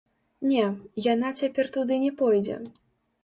Не, яна цяпер туды не пойдзе!